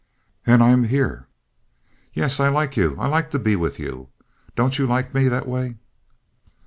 "And I'm here?" "Yes. I like you. I like to be with you. Don't you like me that way?"